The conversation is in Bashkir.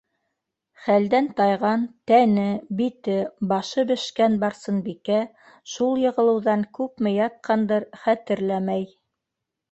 Хәлдән тайған, тәне, бите-башы бешкән Барсынбикә шул йығылыуҙан күпме ятҡандыр - хәтерләмәй.